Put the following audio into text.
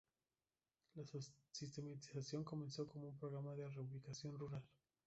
La sistematización comenzó como un programa de reubicación rural.